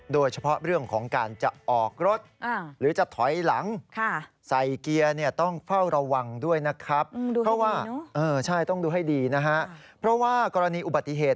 โดยเฉพาะเรื่องของการจะออกรถ